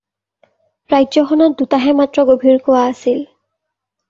ৰাজ্যখনত দুটাহে মাত্ৰ গভীৰ কুঁৱা আছিল।